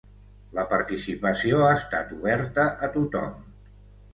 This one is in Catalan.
La participació ha estat oberta a tothom.